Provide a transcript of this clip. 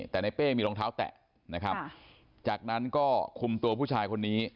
แต่ในเป้มีรองเท้าแตะนะครับจากนั้นก็คุมตัวผู้ชายคนนี้